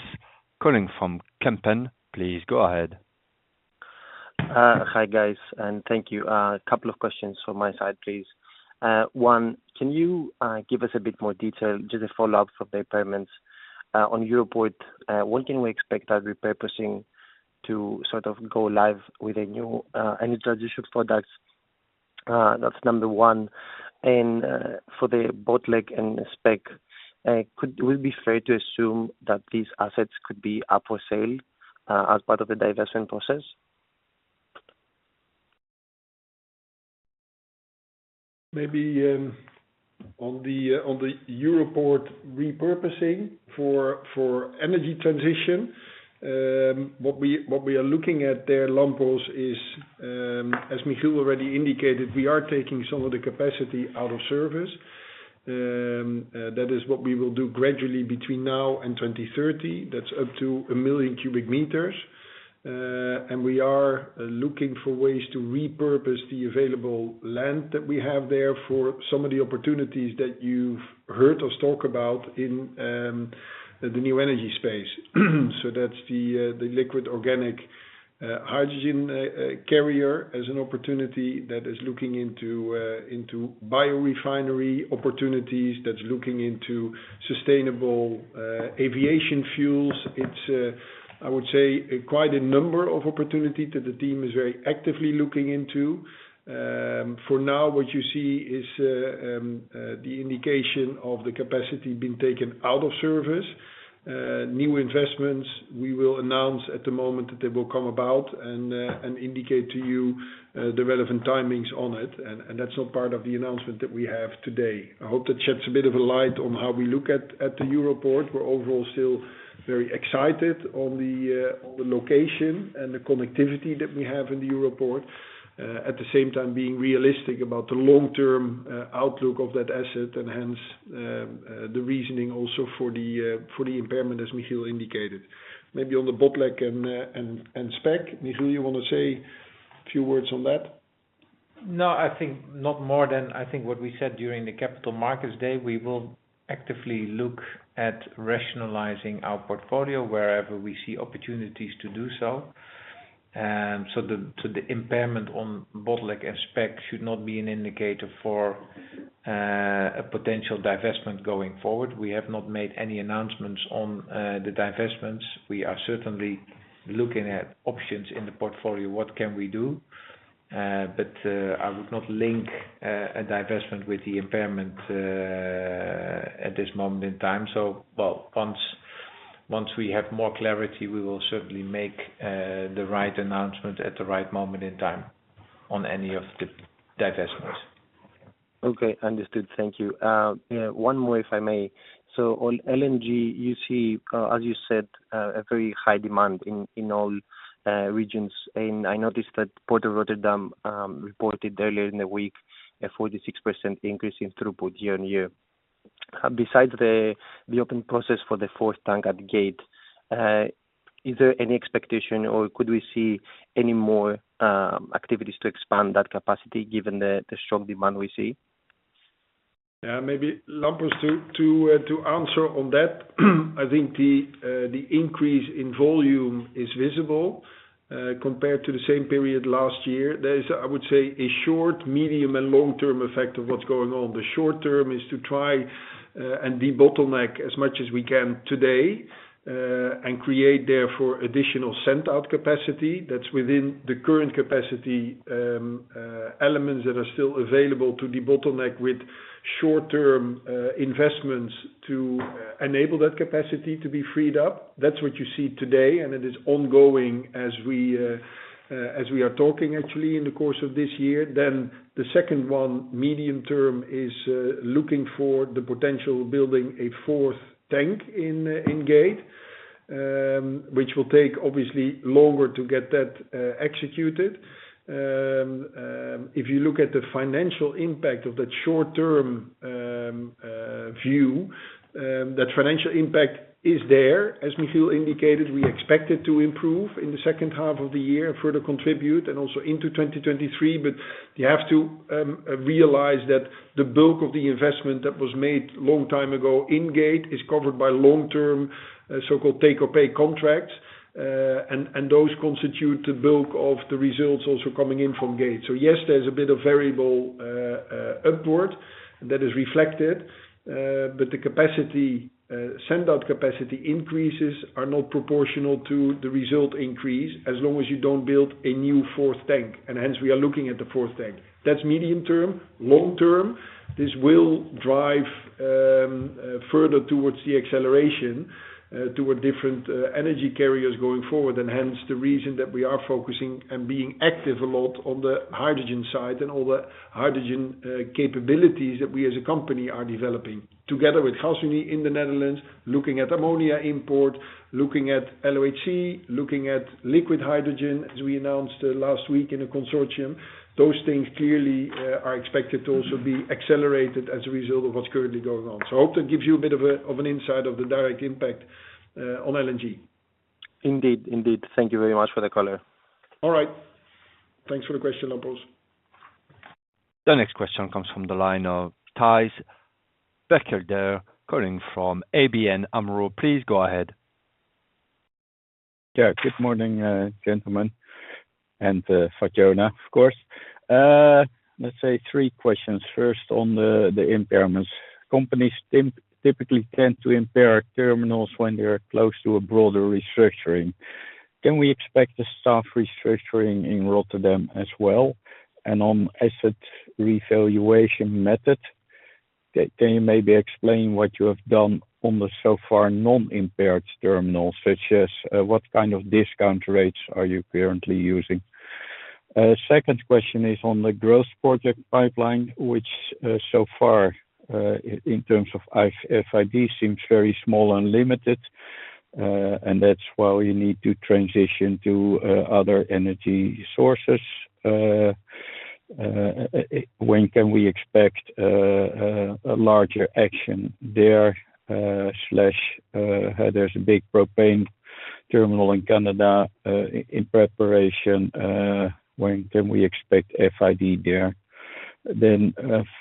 calling from Kempen. Please go ahead.
Hi, guys, and thank you. A couple of questions from my side, please. One, can you give us a bit more detail, just a follow-up of the impairments on Europoort? When can we expect that repurposing to sort of go live with the new energy transition products? That's number one. For the Botlek and SPEC, would it be fair to assume that these assets could be up for sale as part of the divestment process?
Maybe, on the Europoort repurposing for energy transition, what we are looking at there, Lampros, is, as Michiel already indicated, we are taking some of the capacity out of service. That is what we will do gradually between now and 2030. That's up to 1 million cubic meters. We are looking for ways to repurpose the available land that we have there for some of the opportunities that you've heard us talk about in the new energy space. That's the liquid organic hydrogen carrier as an opportunity that is looking into bio-refinery opportunities, that's looking into sustainable aviation fuels. It's I would say quite a number of opportunity that the team is very actively looking into. For now, what you see is the indication of the capacity being taken out of service.
New investments, we will announce at the moment that they will come about and indicate to you the relevant timings on it. That's not part of the announcement that we have today. I hope that sheds a bit of a light on how we look at the Europoort. We're overall still very excited on the location and the connectivity that we have in the Europoort, at the same time being realistic about the long-term outlook of that asset and hence the reasoning also for the impairment as Michiel indicated. Maybe on the Botlek and SPEC, Michiel, you wanna say a few words on that?
No, I think not more than what we said during the Capital Markets Day. We will actively look at rationalizing our portfolio wherever we see opportunities to do so. The impairment on Botlek and SPEC should not be an indicator for a potential divestment going forward. We have not made any announcements on the divestments. We are certainly looking at options in the portfolio, what can we do? I would not link a divestment with the impairment at this moment in time. Well, once we have more clarity, we will certainly make the right announcement at the right moment in time on any of the divestments.
Okay, understood. Thank you. One more if I may. On LNG, you see, as you said, a very high demand in all regions. I noticed that Port of Rotterdam reported earlier in the week a 46% increase in throughput year-on-year. Besides the open process for the fourth tank at Gate, is there any expectation or could we see any more activities to expand that capacity given the strong demand we see?
Yeah, maybe Lampros to answer on that. I think the increase in volume is visible compared to the same period last year. There is, I would say, a short, medium, and long-term effect of what's going on. The short-term is to try and debottleneck as much as we can today and create therefore additional send out capacity that's within the current capacity elements that are still available to debottleneck with short-term investments to enable that capacity to be freed up. That's what you see today and it is ongoing as we are talking actually in the course of this year. The second one, medium term, is looking for the potential building a fourth tank in Gate which will take obviously longer to get that executed. If you look at the financial impact of that short-term view, that financial impact is there. As Michiel indicated, we expect it to improve in the second half of the year and further contribute and also into 2023, but you have to realize that the bulk of the investment that was made long time ago in Gate is covered by long-term, so-called take-or-pay contracts. And those constitute the bulk of the results also coming in from Gate. So yes, there's a bit of variable upward that is reflected, but the capacity send out capacity increases are not proportional to the result increase as long as you don't build a new fourth tank. Hence we are looking at the fourth tank. That's medium term. Long term, this will drive further towards the acceleration toward different energy carriers going forward and hence the reason that we are focusing and being active a lot on the hydrogen side and all the hydrogen capabilities that we as a company are developing together with Gasunie in the Netherlands, looking at ammonia import, looking at LOHC, looking at liquid hydrogen as we announced last week in a consortium. Those things clearly are expected to also be accelerated as a result of what's currently going on. I hope that gives you a bit of an insight of the direct impact on LNG.
Indeed. Thank you very much for the color.
All right. Thanks for the question, Lampros.
The next question comes from the line of Thijs Berkelder, calling from ABN AMRO-ODDO BHF. Please go ahead.
Yeah. Good morning, gentlemen, and Fatjona, of course. Let's say three questions. First on the impairments. Companies typically tend to impair terminals when they're close to a broader restructuring. Can we expect a staff restructuring in Rotterdam as well? On asset revaluation method, can you maybe explain what you have done on the so far non-impaired terminals, such as what kind of discount rates are you currently using? Second question is on the growth project pipeline, which so far in terms of FID seems very small and limited, and that's why you need to transition to other energy sources. When can we expect a larger action there slash there's a big propane terminal in Canada in preparation. When can we expect FID there?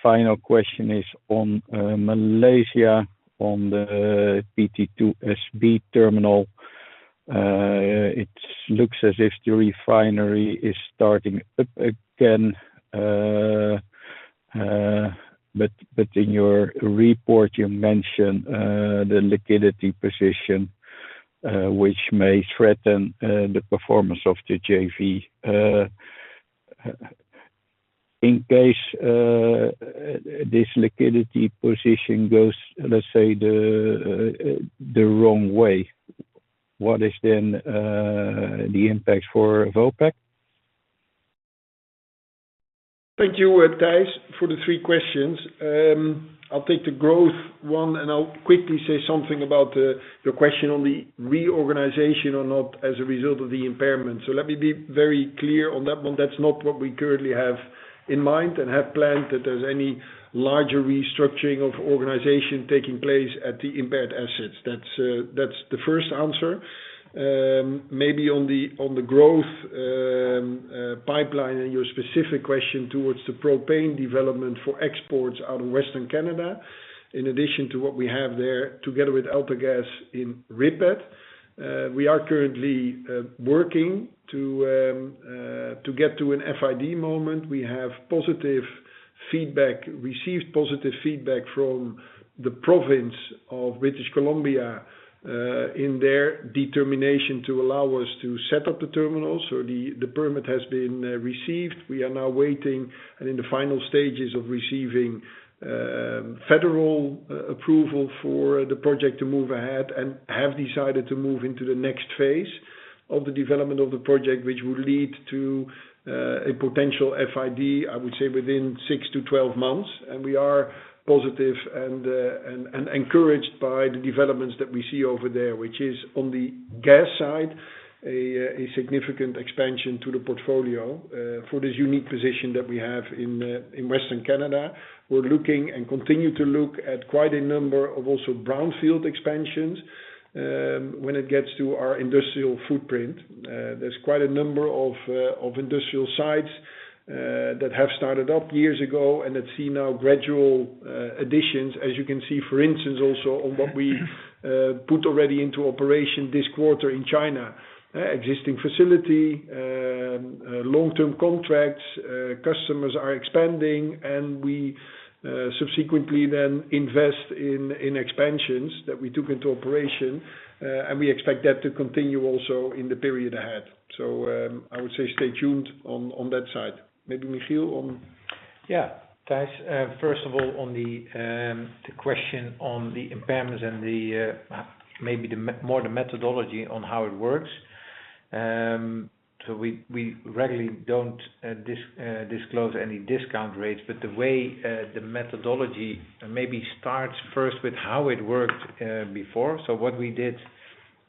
Final question is on Malaysia on the PT2SB terminal. It looks as if the refinery is starting up again. But in your report you mention the liquidity position, which may threaten the performance of the JV. In case this liquidity position goes, let's say, the wrong way, what is then the impact for Vopak?
Thank you, Thijs, for the three questions. I'll take the growth one, and I'll quickly say something about, your question on the reorganization or not as a result of the impairment. Let me be very clear on that one. That's not what we currently have in mind and have planned that there's any larger restructuring of organization taking place at the impaired assets. That's the first answer. Maybe on the growth pipeline and your specific question towards the propane development for exports out of Western Canada, in addition to what we have there together with AltaGas in Ridley. We are currently working to get to an FID moment. We received positive feedback from the province of British Columbia in their determination to allow us to set up the terminal. The permit has been received. We are now waiting and in the final stages of receiving federal approval for the project to move ahead and have decided to move into the next phase of the development of the project, which will lead to a potential FID, I would say, within six to 12 months. We are positive and encouraged by the developments that we see over there, which is on the gas side, a significant expansion to the portfolio for this unique position that we have in Western Canada. We're looking and continue to look at quite a number of also brownfield expansions when it gets to our industrial footprint. There's quite a number of industrial sites that have started up years ago and that see now gradual additions, as you can see, for instance, also on what we put already into operation this quarter in China. Existing facility, long-term contracts, customers are expanding, and we subsequently then invest in expansions that we took into operation, and we expect that to continue also in the period ahead. I would say stay tuned on that side. Maybe Michiel on...
Yeah. Thijs, first of all, on the question on the impairments and the maybe more the methodology on how it works. We regularly don't disclose any discount rates, but the way the methodology maybe starts first with how it worked before. What we did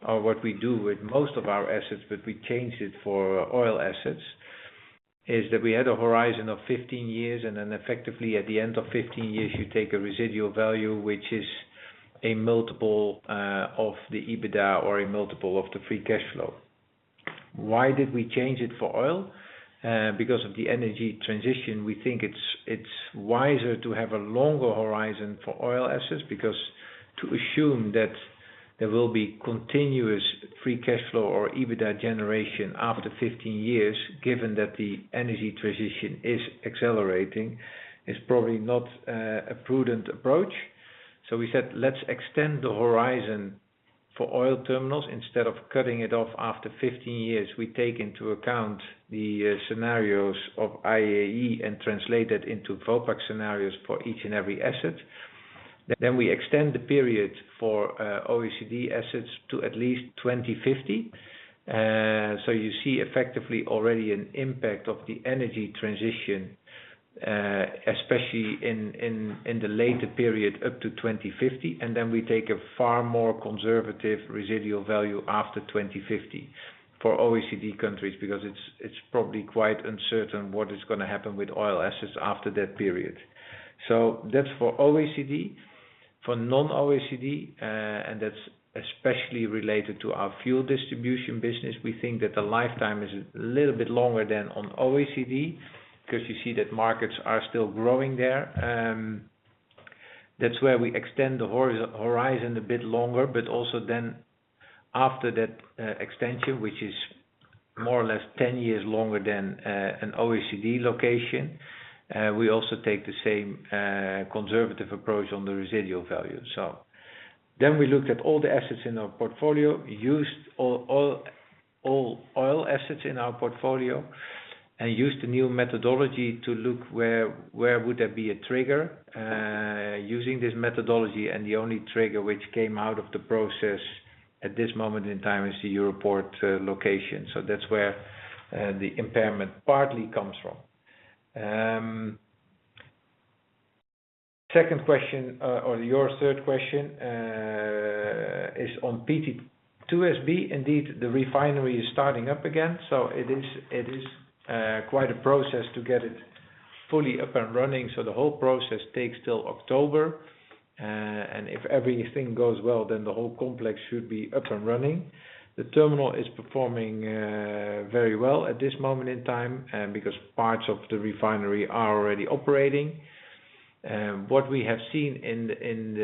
or what we do with most of our assets, but we changed it for oil assets, is that we had a horizon of 15 years, and then effectively, at the end of 15 years, you take a residual value, which is a multiple of the EBITDA or a multiple of the free cash flow. Why did we change it for oil? Because of the energy transition, we think it's wiser to have a longer horizon for oil assets, because to assume that there will be continuous free cash flow or EBITDA generation after 15 years, given that the energy transition is accelerating, is probably not a prudent approach. We said, "Let's extend the horizon for oil terminals. Instead of cutting it off after 15 years, we take into account the scenarios of IEA and translate it into Vopak scenarios for each and every asset." We extend the period for OECD assets to at least 2050. You see effectively already an impact of the energy transition, especially in the later period up to 2050. We take a far more conservative residual value after 2050 for OECD countries, because it's probably quite uncertain what is gonna happen with oil assets after that period. That's for OECD. For non-OECD, and that's especially related to our fuel distribution business, we think that the lifetime is a little bit longer than on OECD 'cause you see that markets are still growing there. That's where we extend the horizon a bit longer, but also then after that extension, which is more or less 10 years longer than an OECD location, we also take the same conservative approach on the residual value. We looked at all the assets in our portfolio, used all oil assets in our portfolio and used the new methodology to look where would there be a trigger using this methodology and the only trigger which came out of the process at this moment in time is the Europoort location. That's where the impairment partly comes from. Second question or your third question is on PT2SB. Indeed, the refinery is starting up again, so it is quite a process to get it fully up and running. The whole process takes till October and if everything goes well, then the whole complex should be up and running. The terminal is performing very well at this moment in time because parts of the refinery are already operating. What we have seen in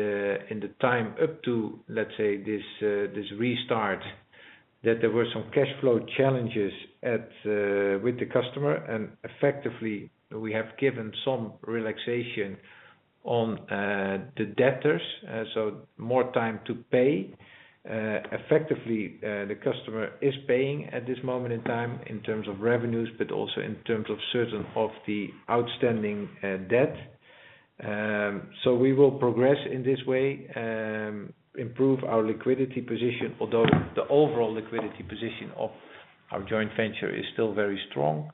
the time up to, let's say, this restart, that there were some cash flow challenges at, with the customer, and effectively, we have given some relaxation on the debtors, so more time to pay. Effectively, the customer is paying at this moment in time in terms of revenues, but also in terms of certain of the outstanding debt. We will progress in this way, improve our liquidity position, although the overall liquidity position of our joint venture is still very strong.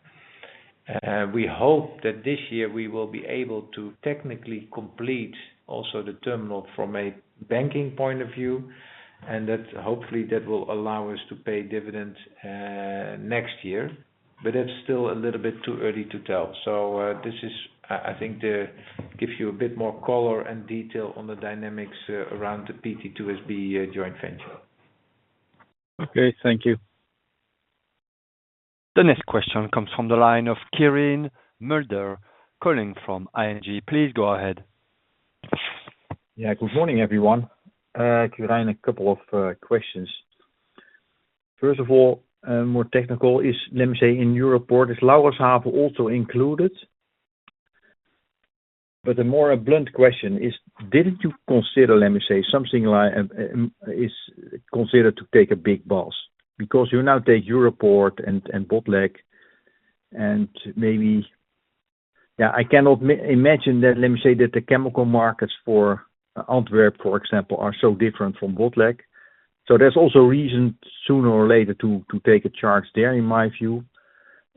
We hope that this year we will be able to technically complete also the terminal from a banking point of view, and that hopefully that will allow us to pay dividends next year. It's still a little bit too early to tell. This is, I think, gives you a bit more color and detail on the dynamics around the PT2SB joint venture.
Okay, thank you.
The next question comes from the line of Quirijn Mulder, calling from ING. Please go ahead.
Yeah. Good morning, everyone. Quirijn. A couple of questions. First of all, more technical is, let me say, in Europoort, is Laurenshaven also included? The more blunt question is, didn't you consider, let me say, something like is considered to take a big loss because you now take Europoort and Botlek and maybe. Yeah, I cannot imagine that, let me say, that the chemical markets for Antwerp, for example, are so different from Botlek. There's also a reason sooner or later to take a charge there, in my view.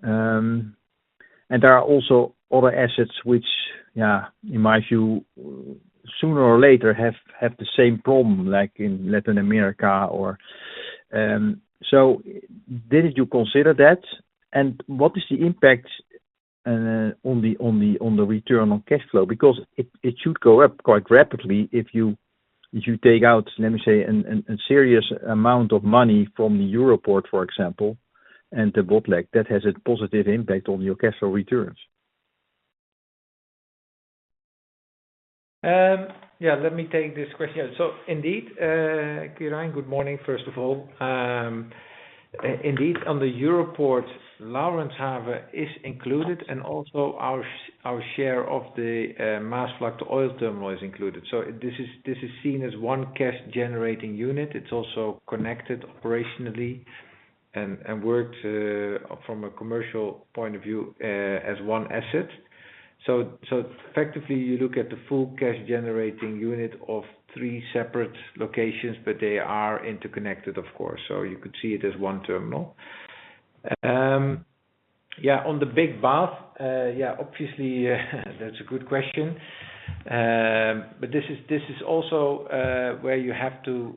And there are also other assets which, yeah, in my view, sooner or later have the same problem, like in Latin America or. Did you consider that? And what is the impact on the return on cash flow? Because it should go up quite rapidly if you take out, let me say, a serious amount of money from the Europoort, for example, and to Botlek, that has a positive impact on your cash flow returns.
Yeah, let me take this question. Indeed, Quirijn, good morning, first of all. Indeed, on the Europoort, Laurenshaven is included, and also our share of the Maasvlakte Olie Terminal is included. This is seen as one cash generating unit. It's also connected operationally and works from a commercial point of view as one asset. Effectively, you look at the full cash generating unit of three separate locations, but they are interconnected, of course. You could see it as one terminal. Yeah, on the big bath, yeah, obviously that's a good question. But this is also where you have to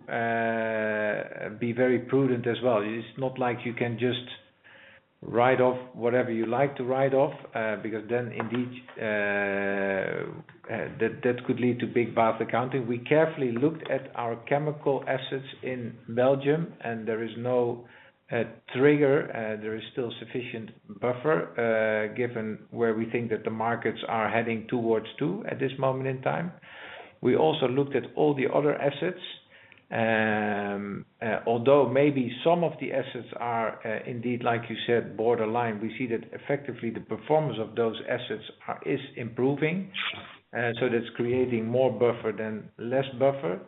be very prudent as well. It's not like you can just write off whatever you like to write off, because then indeed, that could lead to big bath accounting. We carefully looked at our chemical assets in Belgium, and there is no trigger. There is still sufficient buffer, given where we think that the markets are heading towards to at this moment in time. We also looked at all the other assets. Although maybe some of the assets are indeed, like you said, borderline, we see that effectively the performance of those assets is improving. That's creating more buffer than less buffer.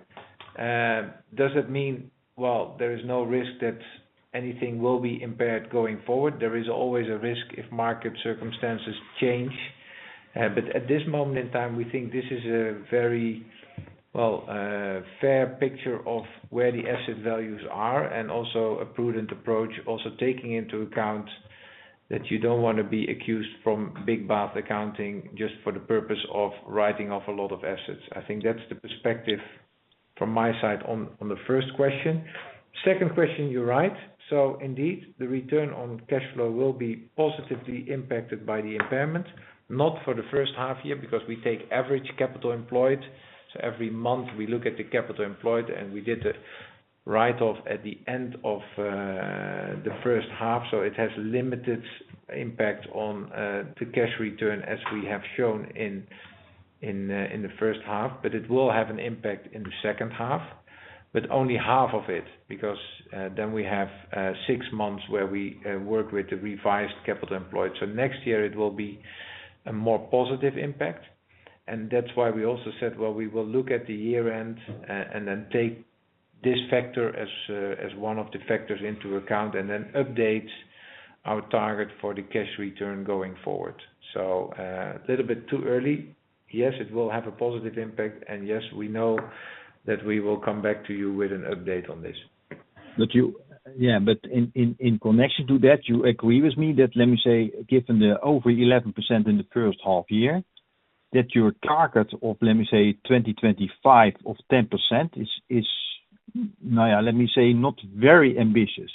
Does it mean, well, there is no risk that anything will be impaired going forward? There is always a risk if market circumstances change. At this moment in time, we think this is a very, well, fair picture of where the asset values are and also a prudent approach. Also taking into account that you don't want to be accused of big bath accounting just for the purpose of writing off a lot of assets. I think that's the perspective from my side on the first question. Second question, you're right. Indeed, the return on cash flow will be positively impacted by the impairment, not for the first half year, because we take average capital employed. Every month we look at the capital employed, and we did a write-off at the end of the first half. It has limited impact on the cash return as we have shown in the first half. It will have an impact in the second half, but only half of it, because then we have six months where we work with the revised capital employed. Next year it will be a more positive impact. That's why we also said, well, we will look at the year end and then take this factor as one of the factors into account and then update our target for the cash return going forward. A little bit too early. Yes, it will have a positive impact. Yes, we know that we will come back to you with an update on this.
Yeah, in connection to that, you agree with me that, let me say, given the over 11% in the first half year, that your target of 2025 of 10% is, let me say, not very ambitious.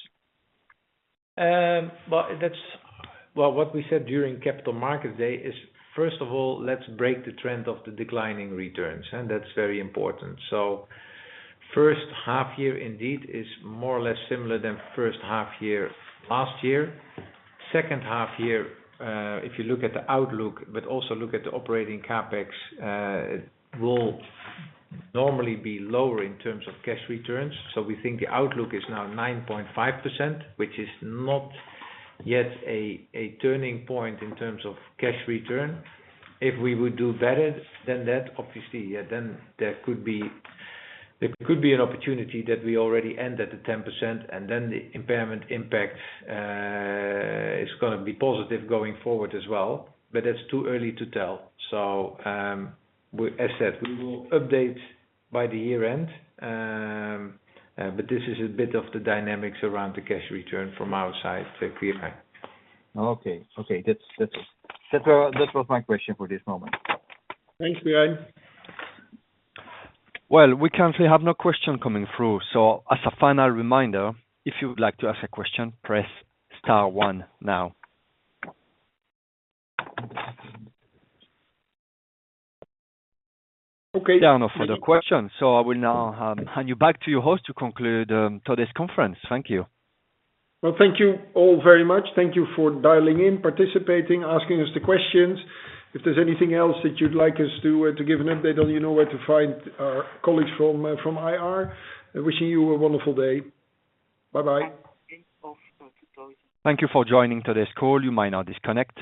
Well, what we said during capital markets day is, first of all, let's break the trend of the declining returns, and that's very important. First half year indeed is more or less similar than first half year, last year. Second half year, if you look at the outlook, but also look at the operating CapEx, will normally be lower in terms of cash returns. We think the outlook is now 9.5%, which is not yet a turning point in terms of cash return. If we would do better than that, obviously, yeah, then there could be an opportunity that we already end at the 10% and then the impairment impact is gonna be positive going forward as well. It's too early to tell. As said, we will update by the year end. This is a bit of the dynamics around the cash return from our side, so Quirijn.
Okay. That was my question for this moment.
Thanks, Quirijn. Well, we currently have no question coming through. As a final reminder, if you would like to ask a question, press star one now.
Okay.
There are no further questions. I will now hand you back to your host to conclude today's conference. Thank you.
Well, thank you all very much. Thank you for dialing in, participating, asking us the questions. If there's anything else that you'd like us to to give an update on, you know where to find our colleagues from IR. Wishing you a wonderful day. Bye-bye.
Thank you for joining today's call. You may now disconnect.